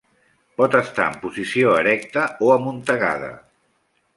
Pot estar en posició erecta o amuntegada.